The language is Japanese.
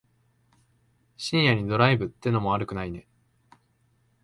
深夜にドライブってのも悪くないね。